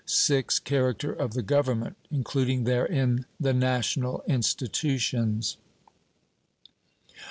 VI. Character of the Government, including therein the national institutions.